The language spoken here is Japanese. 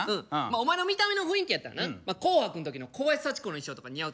お前の見た目の雰囲気やったらな「紅白」の時の小林幸子の衣装とか似合うと思うねんけど。